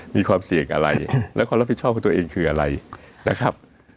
มีความเสี่ยงอะไรและความรับผิดชอบของตัวเองคืออะไรนะครับ